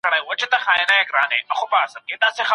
درملتونونه څنګه جواز اخلي؟